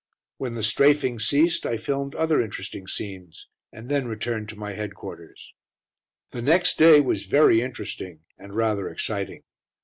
When the "strafing" ceased I filmed other interesting scenes, and then returned to my headquarters. The next day was very interesting, and rather exciting.